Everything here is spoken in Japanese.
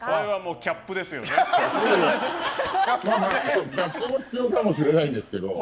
キャップも必要かもしれないんですけど。